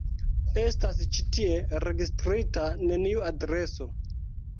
Estas ĉi tie registrita neniu adreso.